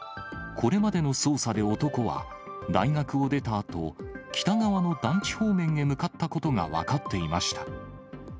これまでの捜査で男は、大学を出たあと、北側の団地方面へ向かったことが分かっていました。